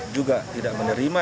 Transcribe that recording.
juga tidak menerima